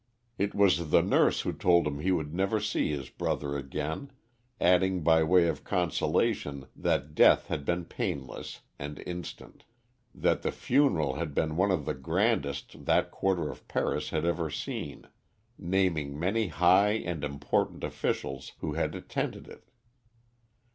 It was the nurse who told him he would never see his brother again, adding by way of consolation that death had been painless and instant, that the funeral had been one of the grandest that quarter of Paris had ever seen, naming many high and important officials who had attended it.